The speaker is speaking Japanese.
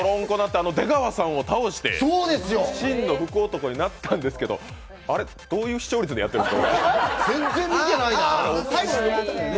あの出川さんを倒して新の福男になったんですけどあれ、どういう視聴率でやってあ、あ！